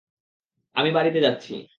আমি বাড়িতে যাচ্ছি।